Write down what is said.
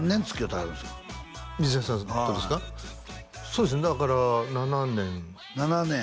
そうですねだから７年７年？